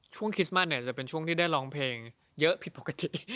คริสต์มัสเนี่ยจะเป็นช่วงที่ได้ร้องเพลงเยอะผิดปกติ